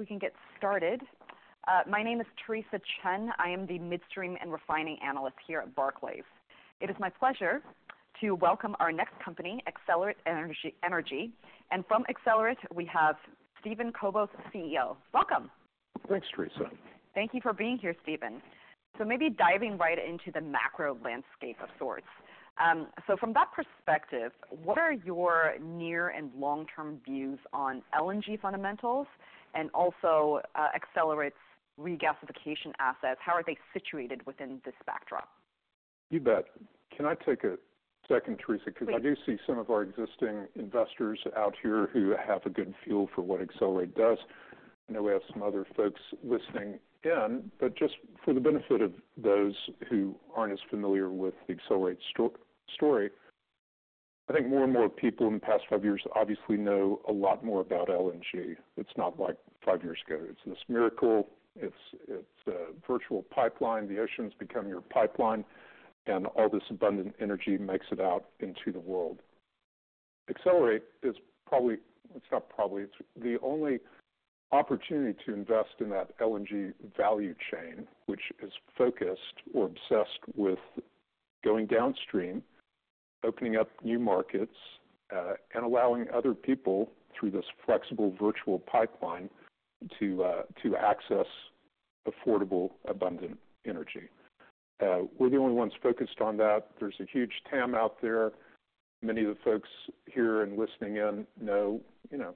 We can get started. My name is Theresa Chen. I am the midstream and refining analyst here at Barclays. It is my pleasure to welcome our next company, Excelerate Energy, and from Excelerate, we have Steven Kobos, CEO. Welcome! Thanks, Theresa. Thank you for being here, Steven. So maybe diving right into the macro landscape of sorts. So from that perspective, what are your near and long-term views on LNG fundamentals? And also, Excelerate's regasification assets, how are they situated within this backdrop? You bet. Can I take a second, Theresa? Please. 'Cause I do see some of our existing investors out here who have a good feel for what Excelerate does. I know we have some other folks listening in, but just for the benefit of those who aren't as familiar with the Excelerate story, I think more and more people in the past five years obviously know a lot more about LNG. It's not like five years ago. It's this miracle. It's, it's a virtual pipeline. The ocean's become your pipeline, and all this abundant energy makes it out into the world. Excelerate is probably... It's not probably, it's the only opportunity to invest in that LNG value chain, which is focused or obsessed with going downstream, opening up new markets, and allowing other people, through this flexible virtual pipeline, to, to access affordable, abundant energy. We're the only ones focused on that. There's a huge TAM out there. Many of the folks here and listening in know, you know,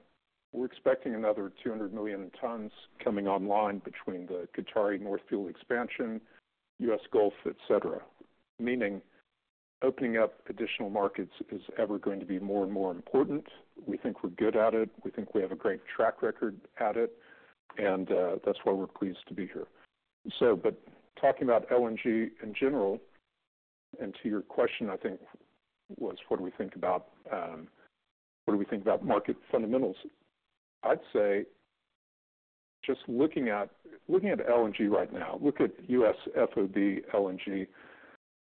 we're expecting another two hundred million tons coming online between the Qatari North Field Expansion, US Gulf, et cetera. Meaning, opening up additional markets is ever going to be more and more important. We think we're good at it. We think we have a great track record at it, and that's why we're pleased to be here. So, but talking about LNG in general, and to your question, I think, was what do we think about, what do we think about market fundamentals? I'd say, just looking at, looking at LNG right now, look at US FOB LNG.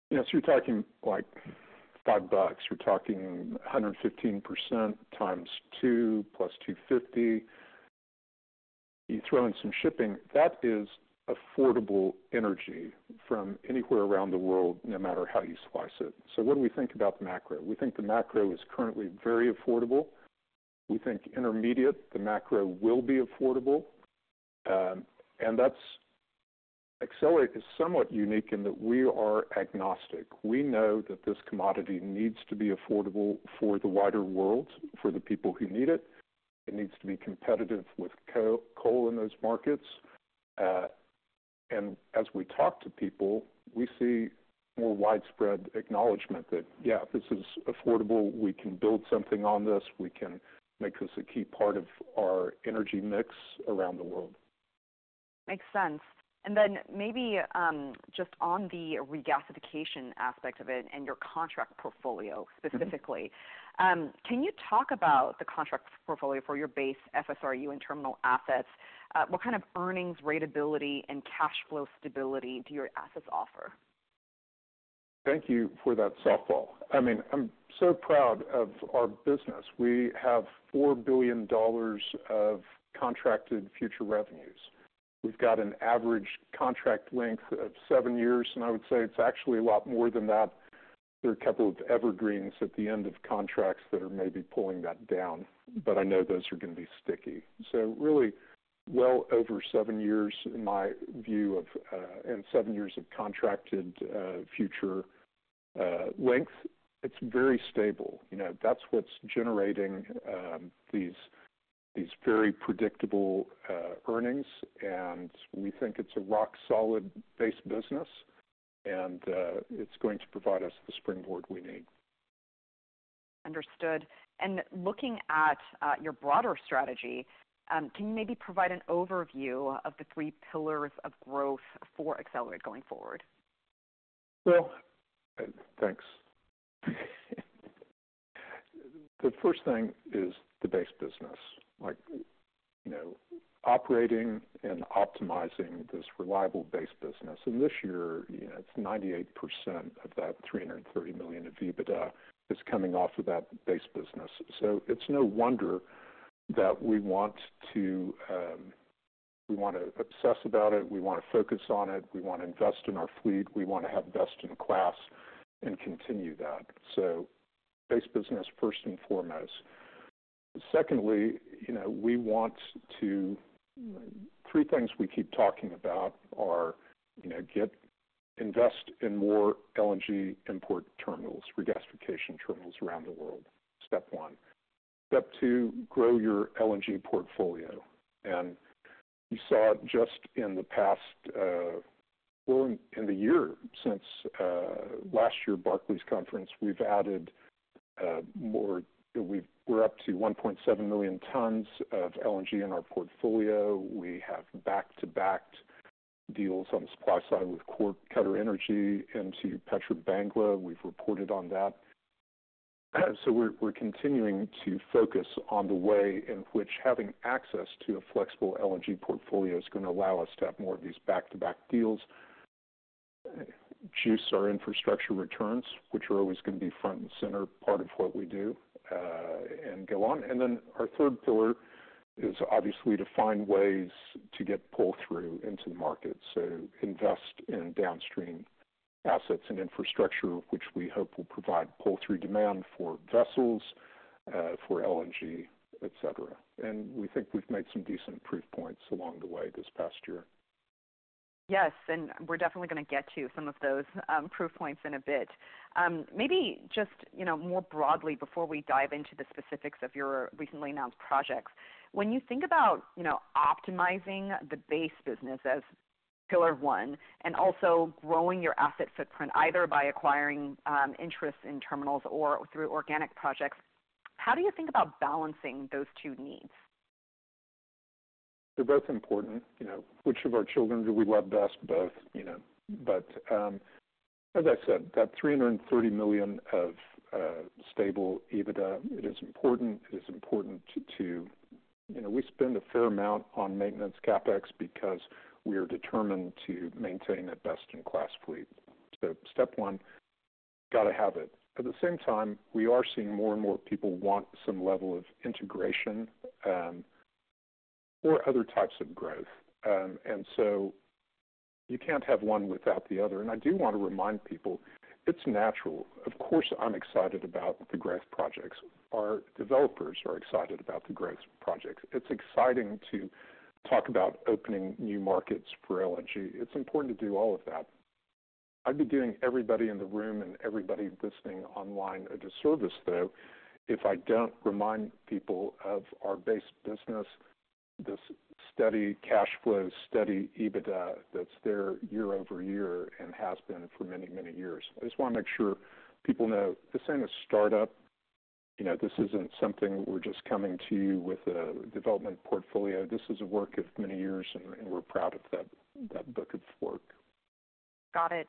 You know, so you're talking, like, $5. You're talking 115% times two, plus $2.50. You throw in some shipping, that is affordable energy from anywhere around the world, no matter how you slice it. So what do we think about the macro? We think the macro is currently very affordable. We think intermediate, the macro will be affordable. And that's, Excelerate is somewhat unique in that we are agnostic. We know that this commodity needs to be affordable for the wider world, for the people who need it. It needs to be competitive with coal in those markets. And as we talk to people, we see more widespread acknowledgment that, yeah, this is affordable. We can build something on this. We can make this a key part of our energy mix around the world. Makes sense. And then maybe, just on the regasification aspect of it and your contract portfolio specifically. Can you talk about the contract portfolio for your base FSRU and terminal assets? What kind of earnings ratability and cash flow stability do your assets offer? Thank you for that softball. I mean, I'm so proud of our business. We have $4 billion of contracted future revenues. We've got an average contract length of seven years, and I would say it's actually a lot more than that. There are a couple of evergreens at the end of contracts that are maybe pulling that down, but I know those are going to be sticky. So really, well over seven years, in my view of - and seven years of contracted future length. It's very stable. You know, that's what's generating these very predictable earnings, and we think it's a rock-solid base business, and it's going to provide us the springboard we need. Understood. And looking at your broader strategy, can you maybe provide an overview of the three pillars of growth for Excelerate going forward? Well, thanks. The first thing is the base business. Like, you know, operating and optimizing this reliable base business. And this year, it's 98% of that $330 million in EBITDA is coming off of that base business. So it's no wonder that we want to, we want to obsess about it, we want to focus on it, we want to invest in our fleet, we want to have best in class and continue that. So base business first and foremost. Secondly, you know, we want to. Three things we keep talking about are, you know, invest in more LNG import terminals, regasification terminals around the world, Step 1. Step 2, grow your LNG portfolio. And you saw it just in the past, well, in the year since last year, Barclays conference, we've added. We're up to 1.7 million tons of LNG in our portfolio. We have back-to-back deals on the supply side with QatarEnergy, into Petrobangla. We've reported on that. So we're continuing to focus on the way in which having access to a flexible LNG portfolio is going to allow us to have more of these back-to-back deals. Juice our infrastructure returns, which are always going to be front and center, part of what we do, and go on. And then our third pillar is obviously to find ways to get pull-through into the market. So invest in downstream assets and infrastructure, which we hope will provide pull-through demand for vessels, for LNG, et cetera. We think we've made some decent proof points along the way this past year. Yes, and we're definitely going to get to some of those proof points in a bit. Maybe just, you know, more broadly, before we dive into the specifics of your recently announced projects. When you think about, you know, optimizing the base business as pillar one, and also growing your asset footprint, either by acquiring interests in terminals or through organic projects, how do you think about balancing those two needs? They're both important. You know, which of our children do we love best? Both, you know. But, as I said, that $330 million of stable EBITDA, it is important. It is important. You know, we spend a fair amount on maintenance CapEx because we are determined to maintain a best-in-class fleet. So Step 1, got to have it. At the same time, we are seeing more and more people want some level of integration, or other types of growth. And so you can't have one without the other. And I do want to remind people, it's natural. Of course, I'm excited about the growth projects. Our developers are excited about the growth projects. It's exciting to talk about opening new markets for LNG. It's important to do all of that. I'd be doing everybody in the room and everybody listening online a disservice, though, if I don't remind people of our base business, this steady cash flow, steady EBITDA, that's there year over year and has been for many, many years. I just want to make sure people know this ain't a startup. You know, this isn't something we're just coming to you with a development portfolio. This is a work of many years, and we're proud of that, that book of work. Got it.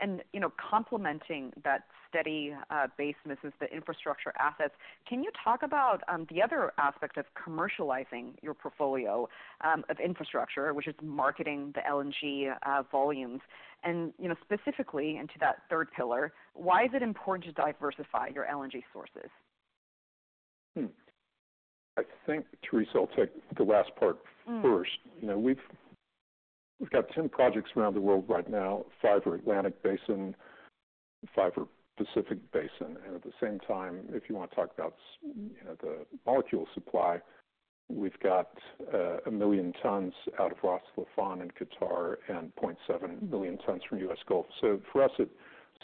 And, you know, complementing that steady base. This is the infrastructure assets. Can you talk about the other aspect of commercializing your portfolio of infrastructure, which is marketing the LNG volumes? And, you know, specifically into that third pillar, why is it important to diversify your LNG sources? Hmm. I think, Theresa, I'll take the last part first. Mm. You know, we've got 10 projects around the world right now, five are Atlantic Basin, five are Pacific Basin. And at the same time, if you want to talk about you know, the molecule supply, we've got a million tons out of Ras Laffan in Qatar, and point seven million tons from US Gulf. So for us, it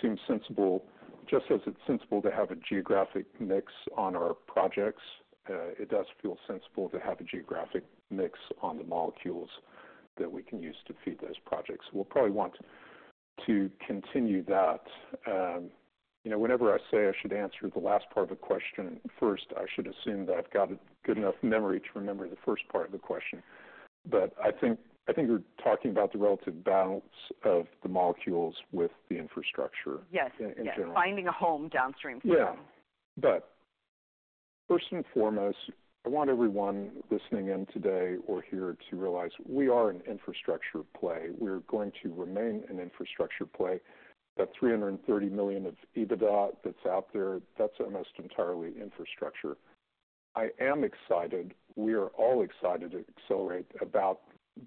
seems sensible. Just as it's sensible to have a geographic mix on our projects, it does feel sensible to have a geographic mix on the molecules that we can use to feed those projects. We'll probably want to continue that. You know, whenever I say I should answer the last part of a question first, I should assume that I've got a good enough memory to remember the first part of the question. But I think we're talking about the relative balance of the molecules with the infrastructure- Yes. - in general. Finding a home downstream for them. Yeah. But first and foremost, I want everyone listening in today or here to realize we are an infrastructure play. We're going to remain an infrastructure play. That $330 million of EBITDA that's out there, that's almost entirely infrastructure. I am excited. We are all excited at Excelerate about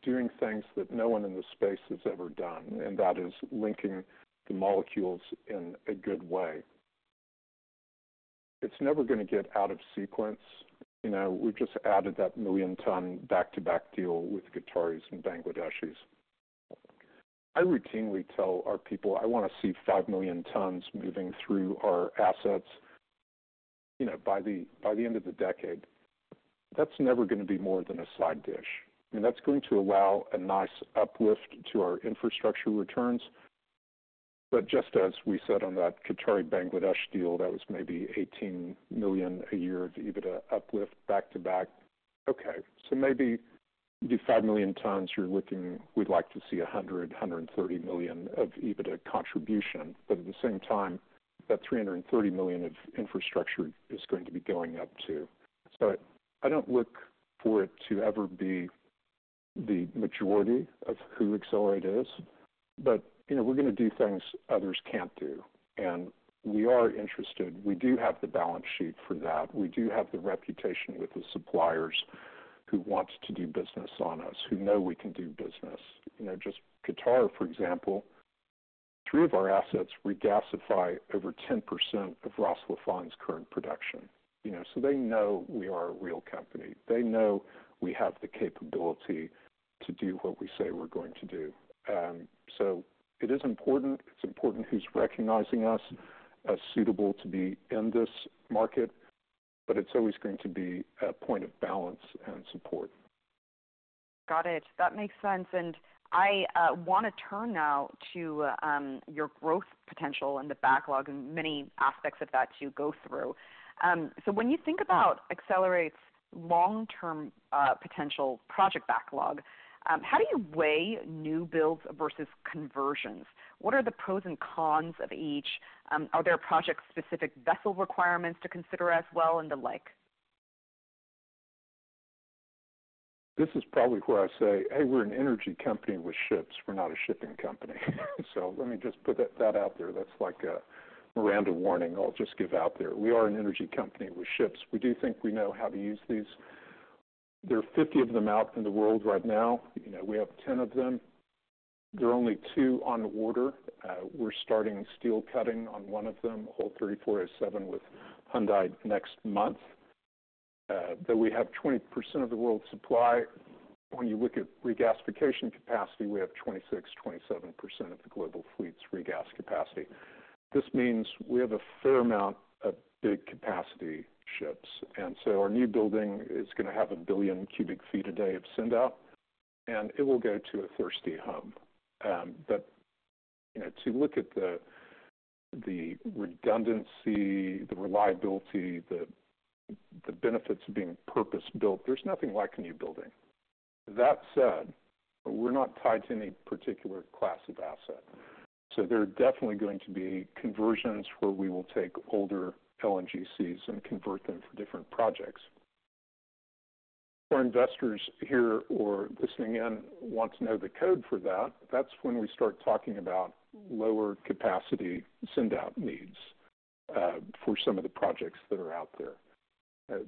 doing things that no one in this space has ever done, and that is linking the molecules in a good way. It's never gonna get out of sequence. You know, we've just added that 1-million-ton back-to-back deal with Qataris and Bangladeshis. I routinely tell our people, I want to see 5 million tons moving through our assets, you know, by the end of the decade. That's never gonna be more than a side dish, and that's going to allow a nice uplift to our infrastructure returns. But just as we said on that Qatari-Bangladesh deal, that was maybe 18 million a year of EBITDA uplift back-to-back. Okay, so maybe the 5 million tons you're looking, we'd like to see 100-130 million of EBITDA contribution, but at the same time, that 330 million of infrastructure is going to be going up, too. So I don't look for it to ever be the majority of who Excelerate is, but, you know, we're gonna do things others can't do, and we are interested. We do have the balance sheet for that. We do have the reputation with the suppliers who wants to do business on us, who know we can do business. You know, just Qatar, for example, three of our assets regasify over 10% of Ras Laffan's current production. You know, so they know we are a real company. They know we have the capability to do what we say we're going to do. So it is important. It's important who's recognizing us as suitable to be in this market, but it's always going to be a point of balance and support. Got it. That makes sense. And I want to turn now to your growth potential and the backlog and many aspects of that you go through. So when you think about Excelerate's long-term potential project backlog, how do you weigh new builds versus conversions? What are the pros and cons of each? Are there project-specific vessel requirements to consider as well and the like?... This is probably where I say, "Hey, we're an energy company with ships. We're not a shipping company." So let me just put that out there. That's like a Miranda warning I'll just give out there. We are an energy company with ships. We do think we know how to use these. There are 50 of them out in the world right now. You know, we have 10 of them. There are only two on the water. We're starting steel cutting on one of them, Hull 3407, with Hyundai next month. But we have 20% of the world's supply. When you look at regasification capacity, we have 26%-27% of the global fleet's regas capacity. This means we have a fair amount of big capacity ships, and so our new building is gonna have a billion cubic feet a day of send-out, and it will go to a thirsty hub, but you know, to look at the redundancy, the reliability, the benefits of being purpose-built, there's nothing like a new building. That said, we're not tied to any particular class of asset, so there are definitely going to be conversions where we will take older LNGCs and convert them for different projects. For investors here or listening in, want to know the code for that, that's when we start talking about lower capacity send-out needs for some of the projects that are out there.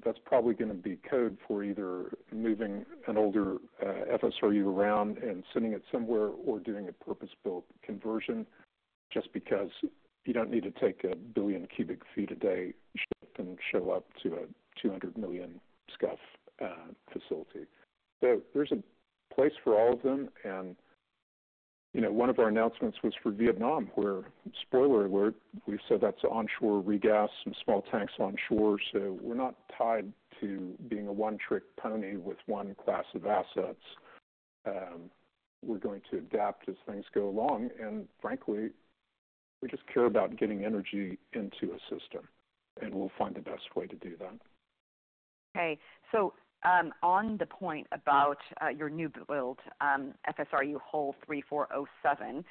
That's probably gonna be code for either moving an older FSRU around and sitting it somewhere or doing a purpose-built conversion, just because you don't need to take a billion cubic feet a day ship and show up to a 200 million SCF facility. So there's a place for all of them, and, you know, one of our announcements was for Vietnam, where, spoiler alert, we said that's onshore regas, some small tanks onshore. So we're not tied to being a one-trick pony with one class of assets. We're going to adapt as things go along, and frankly, we just care about getting energy into a system, and we'll find the best way to do that. Okay, so on the point about your new-built FSRU Hull 3407.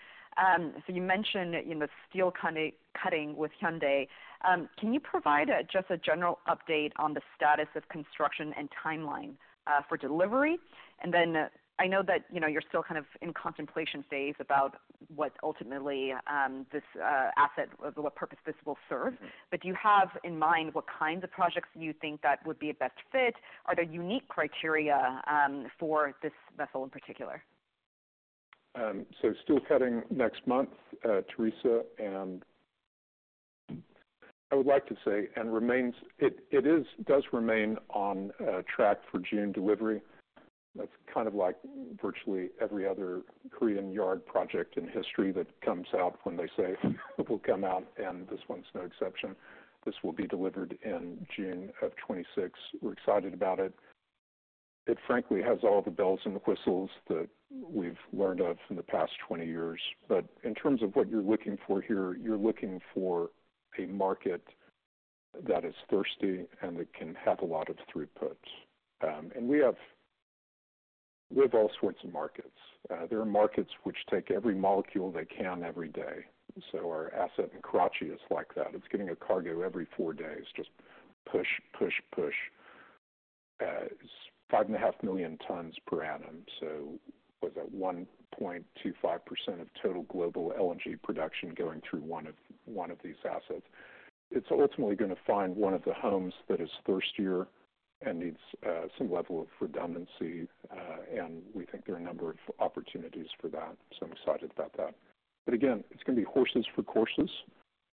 So you mentioned, you know, steel cutting with Hyundai. Can you provide just a general update on the status of construction and timeline for delivery? And then I know that, you know, you're still kind of in contemplation phase about what ultimately this asset, what purpose this will serve. But do you have in mind what kinds of projects you think that would be a best fit? Are there unique criteria for this vessel in particular? Steel cutting next month, Theresa, and I would like to say it does remain on track for June delivery. That's kind of like virtually every other Korean yard project in history that comes out when they say it will come out, and this one's no exception. This will be delivered in June of 2026. We're excited about it. It frankly has all the bells and the whistles that we've learned of from the past 20 years. In terms of what you're looking for here, you're looking for a market that is thirsty and that can have a lot of throughput. We have all sorts of markets. There are markets which take every molecule they can every day. Our asset in Karachi is like that. It's getting a cargo every four days. Just push, push, push. It's 5.5 million tons per annum, so was at 1.25% of total global LNG production going through one of these assets. It's ultimately gonna find one of the hubs that is thirstier and needs some level of redundancy, and we think there are a number of opportunities for that. I'm excited about that. But again, it's gonna be horses for courses,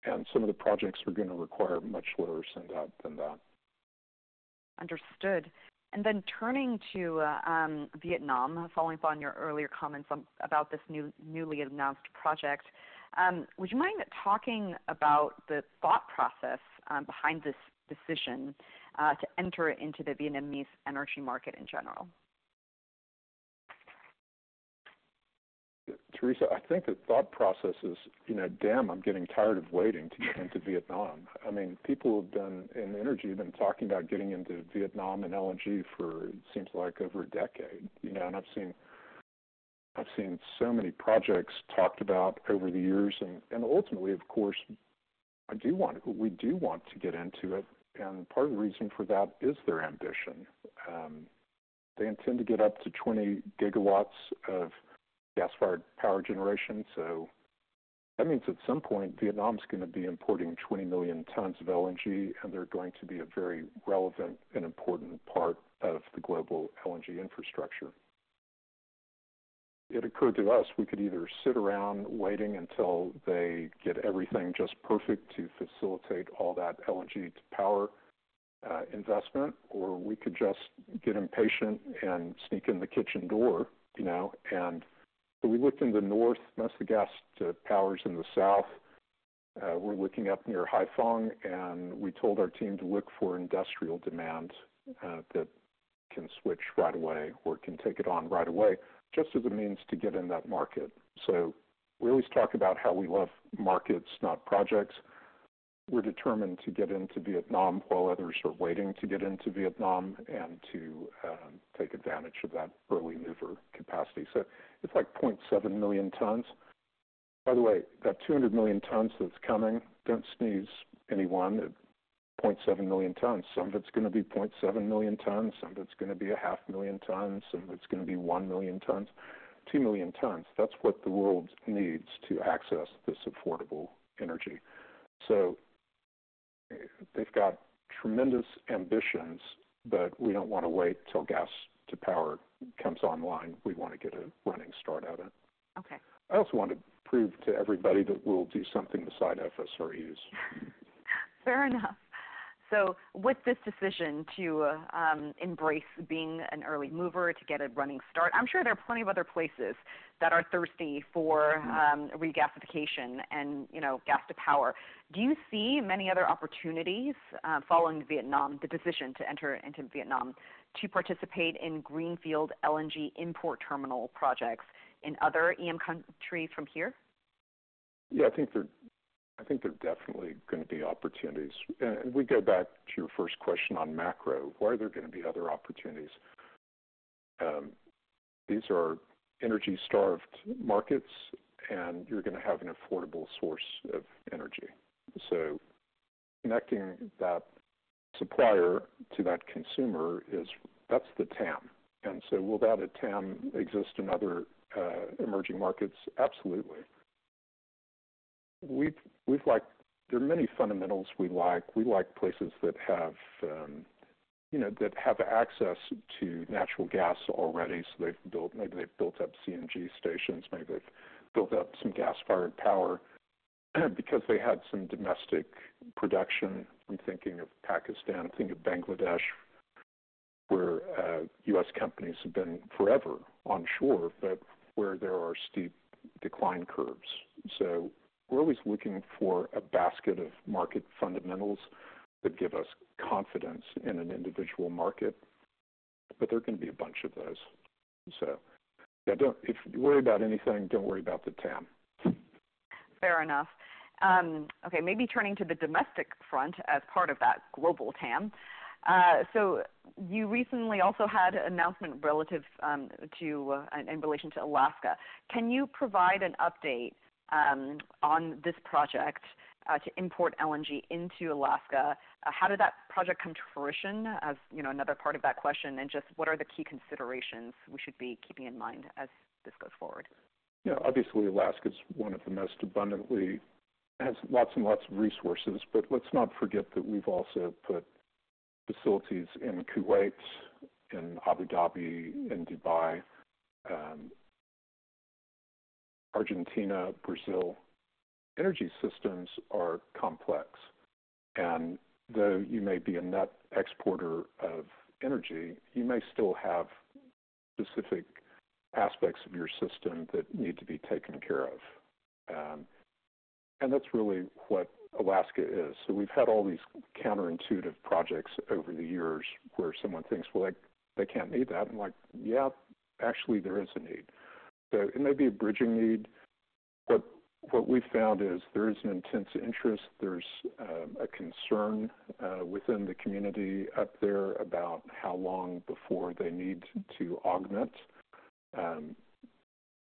and some of the projects are gonna require much lower send-out than that. Understood. And then turning to Vietnam, following up on your earlier comments about this newly announced project. Would you mind talking about the thought process behind this decision to enter into the Vietnamese energy market in general? Theresa, I think the thought process is, you know, damn, I'm getting tired of waiting to get into Vietnam. I mean, people in energy have been talking about getting into Vietnam and LNG for it seems like over a decade. You know, and I've seen so many projects talked about over the years, and ultimately, of course, I do want to-- we do want to get into it, and part of the reason for that is their ambition. They intend to get up to twenty gigawatts of gas-fired power generation. So that means at some point, Vietnam's gonna be importing twenty million tons of LNG, and they're going to be a very relevant and important part of the global LNG infrastructure. It occurred to us, we could either sit around waiting until they get everything just perfect to facilitate all that LNG-to-power investment, or we could just get impatient and sneak in the kitchen door, you know, and so we looked in the north. Most of the gas powers in the south. We're looking up near Haiphong, and we told our team to look for industrial demand that can switch right away or can take it on right away, just as a means to get in that market, so we always talk about how we love markets, not projects. We're determined to get into Vietnam, while others are waiting to get into Vietnam, and to take advantage of that early mover capacity, so it's like 0.7 million tons... By the way, that 200 million tons that's coming. Don't sneeze at 0.7 million tons. Some of it's gonna be 0.7 million tons, some of it's gonna be 0.5 million tons, some of it's gonna be 1 million tons, 2 million tons. That's what the world needs to access this affordable energy. So they've got tremendous ambitions, but we don't want to wait till gas-to-power comes online. We want to get a running start at it. Okay. I also want to prove to everybody that we'll do something besides FSRUs. Fair enough. So with this decision to embrace being an early mover, to get a running start, I'm sure there are plenty of other places that are thirsty for regasification and, you know, gas-to-power. Do you see many other opportunities following Vietnam, the decision to enter into Vietnam, to participate in greenfield LNG import terminal projects in other EM countries from here? Yeah, I think there are definitely gonna be opportunities, and we go back to your first question on macro. Why are there gonna be other opportunities? These are energy-starved markets, and you're gonna have an affordable source of energy. So connecting that supplier to that consumer is, that's the TAM, and so will that TAM exist in other emerging markets? Absolutely. There are many fundamentals we like. We like places that have, you know, that have access to natural gas already. So they've built, maybe they've built up CNG stations, maybe they've built up some gas-fired power because they had some domestic production. I'm thinking of Pakistan. I'm thinking of Bangladesh, where U.S. companies have been forever onshore, but where there are steep decline curves. So we're always looking for a basket of market fundamentals that give us confidence in an individual market, but there are gonna be a bunch of those. So yeah, if you worry about anything, don't worry about the TAM. Fair enough. Okay, maybe turning to the domestic front as part of that global TAM. So you recently also had an announcement relative to in relation to Alaska. Can you provide an update on this project to import LNG into Alaska? How did that project come to fruition, as you know, another part of that question, and just what are the key considerations we should be keeping in mind as this goes forward? Yeah. Obviously, Alaska is one of the most has lots and lots of resources, but let's not forget that we've also put facilities in Kuwait, in Abu Dhabi, in Dubai, Argentina, Brazil. Energy systems are complex, and though you may be a net exporter of energy, you may still have specific aspects of your system that need to be taken care of. And that's really what Alaska is. So we've had all these counterintuitive projects over the years where someone thinks, "Well, they can't need that." I'm like: Yeah, actually, there is a need. So it may be a bridging need, but what we found is there is an intense interest. There's a concern within the community up there about how long before they need to augment.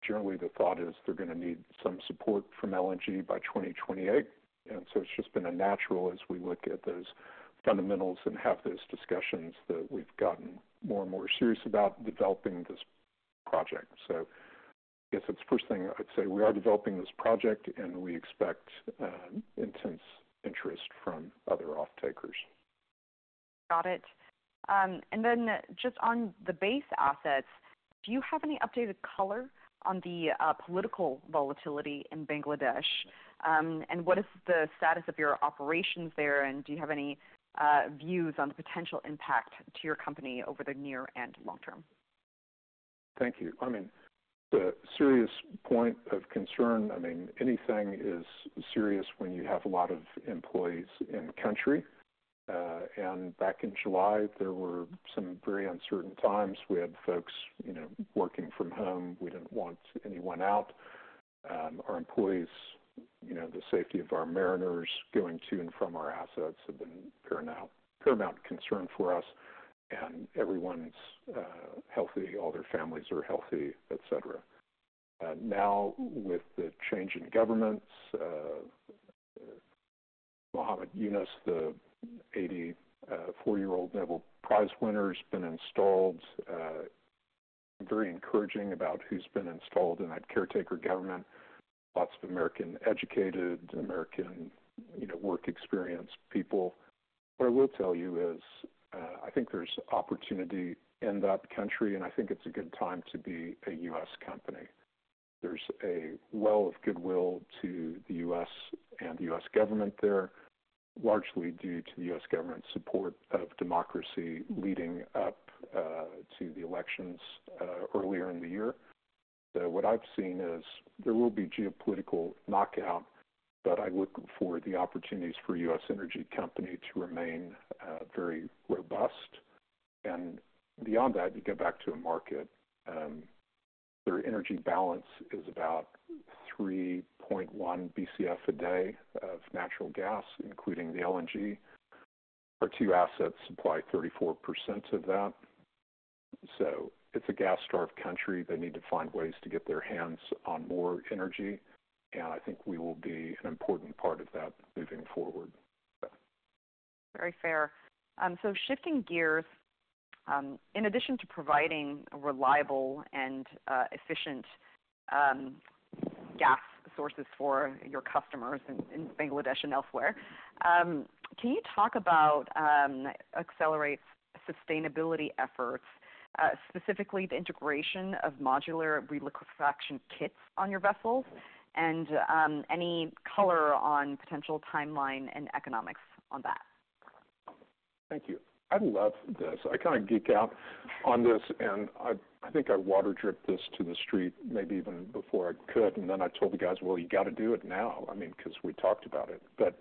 Generally, the thought is they're gonna need some support from LNG by 2028, and so it's just been a natural as we look at those fundamentals and have those discussions that we've gotten more and more serious about developing this project. So I guess it's the first thing I'd say, we are developing this project, and we expect intense interest from other offtakers. Got it. And then just on the base assets, do you have any updated color on the political volatility in Bangladesh? And what is the status of your operations there, and do you have any views on the potential impact to your company over the near and long term? Thank you. I mean, the serious point of concern, I mean, anything is serious when you have a lot of employees in country, and back in July, there were some very uncertain times. We had folks, you know, working from home. We didn't want anyone out. Our employees, you know, the safety of our mariners going to and from our assets have been paramount concern for us, and everyone's healthy, all their families are healthy, et cetera. Now, with the change in governments, Muhammad Yunus, the eighty-four-year-old Nobel Prize winner, has been installed. Very encouraging about who's been installed in that caretaker government. Lots of American-educated, American, you know, work experience people. What I will tell you is, I think there's opportunity in that country, and I think it's a good time to be a U.S. company. There's a well of goodwill to the U.S. and the U.S. government there, largely due to the U.S. government's support of democracy leading up to the elections earlier in the year. So what I've seen is there will be geopolitical knockout, but I look for the opportunities for U.S. energy company to remain very robust. And beyond that, you get back to a market, their energy balance is about 3.1 BCF a day of natural gas, including the LNG. Our two assets supply 34% of that. So it's a gas-starved country. They need to find ways to get their hands on more energy, and I think we will be an important part of that moving forward. Very fair. So shifting gears, in addition to providing a reliable and efficient gas sources for your customers in Bangladesh and elsewhere, can you talk about Excelerate's sustainability efforts, specifically the integration of modular re-liquefaction kits on your vessels? And any color on potential timeline and economics on that? Thank you. I love this. I kind of geek out on this, and I think I whispered this to the street maybe even before I could, and then I told the guys, "Well, you got to do it now." I mean, 'cause we talked about it, but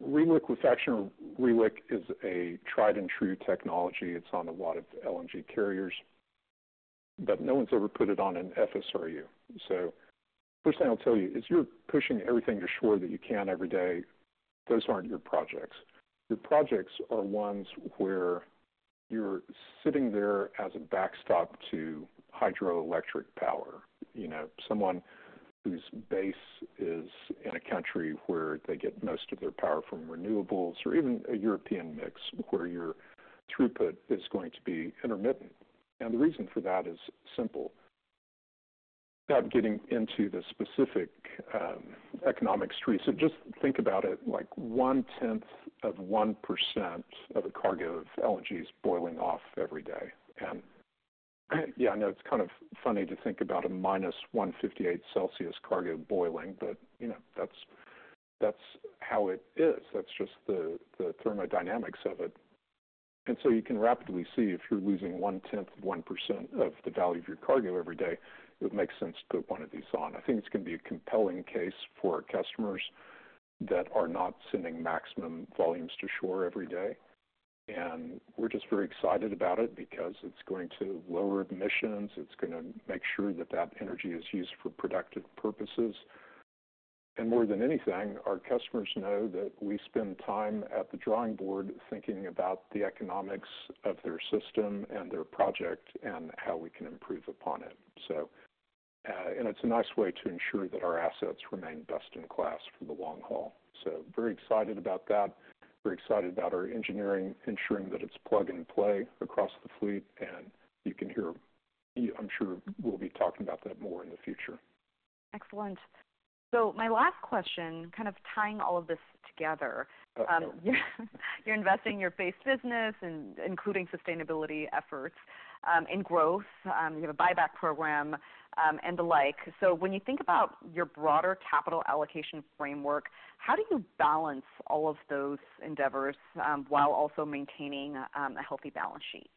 re-liquefaction, re-liq is a tried-and-true technology. It's on a lot of LNG carriers, but no one's ever put it on an FSRU. So first thing I'll tell you, if you're pushing everything to shore that you can every day, those aren't your projects. Your projects are ones where you're sitting there as a backstop to hydroelectric power. You know, someone whose base is in a country where they get most of their power from renewables, or even a European mix, where your throughput is going to be intermittent, and the reason for that is simple. Without getting into the specific economics trees, so just think about it like 0.1% of a cargo of LNG is boiling off every day. And, yeah, I know it's kind of funny to think about a minus 158 degrees Celsius cargo boiling, but, you know, that's, that's how it is. That's just the, the thermodynamics of it. And so you can rapidly see if you're losing 0.1% of the value of your cargo every day, it makes sense to put one of these on. I think it's going to be a compelling case for customers that are not sending maximum volumes to shore every day. And we're just very excited about it because it's going to lower emissions. It's gonna make sure that that energy is used for productive purposes. More than anything, our customers know that we spend time at the drawing board thinking about the economics of their system and their project and how we can improve upon it. So, and it's a nice way to ensure that our assets remain best in class for the long haul. Very excited about that. Very excited about our engineering, ensuring that it's plug and play across the fleet, and you can hear me, I'm sure we'll be talking about that more in the future. Excellent. So my last question, kind of tying all of this together- Uh, sure. You're investing your base business, including sustainability efforts, in growth. You have a buyback program, and the like. So when you think about your broader capital allocation framework, how do you balance all of those endeavors, while also maintaining a healthy balance sheet?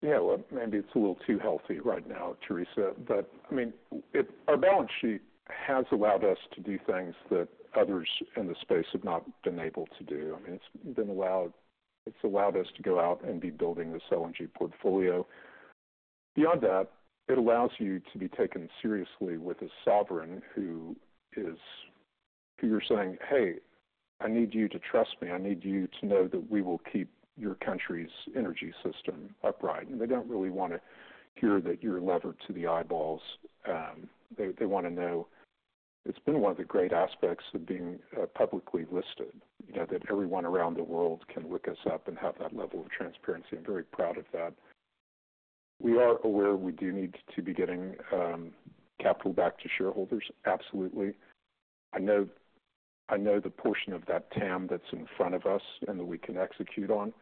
Yeah, well, maybe it's a little too healthy right now, Theresa. But, I mean, it, our balance sheet has allowed us to do things that others in the space have not been able to do. I mean, It's allowed us to go out and be building this LNG portfolio. Beyond that, it allows you to be taken seriously with a sovereign who you're saying, "Hey, I need you to trust me. I need you to know that we will keep your country's energy system upright." And they don't really want to hear that you're levered to the eyeballs. They want to know. It's been one of the great aspects of being publicly listed, you know, that everyone around the world can look us up and have that level of transparency. I'm very proud of that. We are aware we do need to be getting, capital back to shareholders. Absolutely. I know, I know the portion of that TAM that's in front of us and that we can execute on.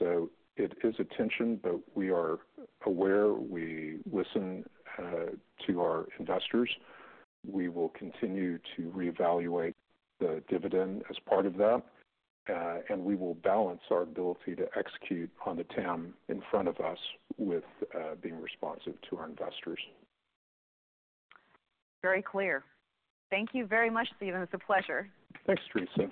So it is a tension, but we are aware. We listen, to our investors. We will continue to reevaluate the dividend as part of that, and we will balance our ability to execute on the TAM in front of us with, being responsive to our investors. Very clear. Thank you very much, Steven. It's a pleasure. Thanks, Theresa.